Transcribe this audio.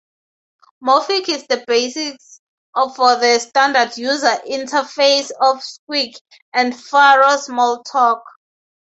Morphic is the basis for the standard user interface of Squeak and Pharo Smalltalk.